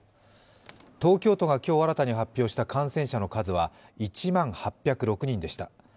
東京都が今日新たに発表した感染者の数は１万８０６人でした。